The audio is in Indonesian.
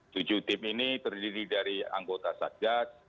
tujuh tim ini terdiri dari anggota satgas